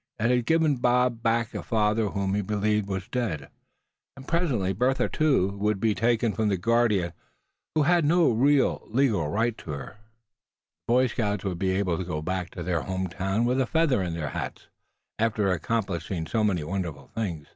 It had given Bob back a father whom he had believed was dead; and presently Bertha, too, would be taken from the guardian who had no real legal right to her charge. The Boy Scouts would be able to go back to their home town with a feather in their hats, after accomplishing so many wonderful things.